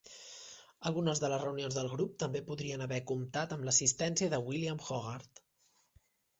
Algunes de les reunions del grup també podrien haver comptat amb l'assistència de William Hogarth.